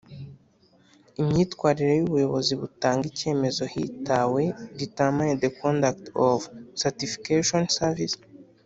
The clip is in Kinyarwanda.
imyitwarire y ubuyobozi butanga icyemezo hitawe determine the conduct of the certification service